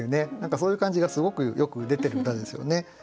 そういう感じがすごくよく出てる歌ですよね。